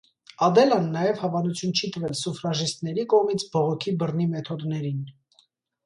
Ադելան նաև հավանություն չի տվել սուֆրաժիստների կողմից բողոքի բռնի մեթոդներին։